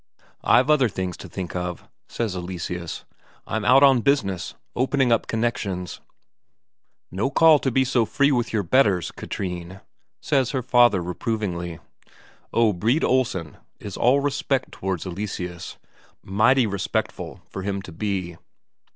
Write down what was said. "I've other things to think of," says Eleseus. "I'm out on business opening up connections." "No call to be so free with your betters, Katrine," says her father reprovingly. Oh, Brede Olsen is all respect towards Eleseus, mighty respectful for him to be.